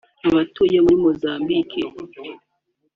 abatuye muri Mozambique